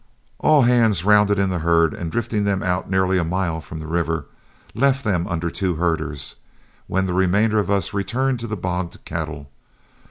All hands rounded in the herd, and drifting them out nearly a mile from the river, left them under two herders, when the remainder of us returned to the bogged cattle.